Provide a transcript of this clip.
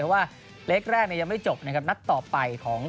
เพราะว่าเล็กแรกเนี่ยยังไม่จบนะครับนัดต่อไปของ